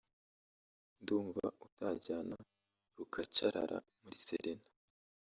Ndumva utajyana rukacarara muri Serena